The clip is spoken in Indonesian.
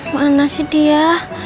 mana sih dia